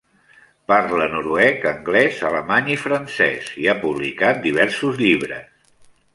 Parla noruec, anglès, alemany i francès, i ha publicat diversos llibres.